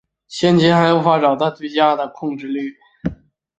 现今还无法找到最佳的控制律。